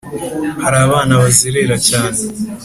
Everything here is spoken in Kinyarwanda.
hari abana bazerera cyane